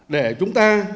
để chúng ta